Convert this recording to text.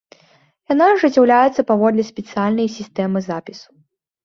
Яна ажыццяўляецца паводле спецыяльнай сістэмы запісу.